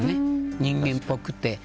人間っぽくて。